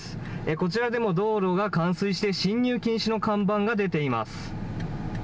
こちらでも道路が冠水して進入禁止の看板が出ています。